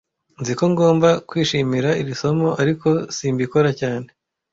Nzi ko ngomba kwishimira iri somo, ariko simbikora cyane